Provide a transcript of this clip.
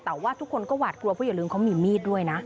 แต่ว่าทุกคนก็หวาดกลัวเพราะอย่าลืมเขามีมีดด้วยนะ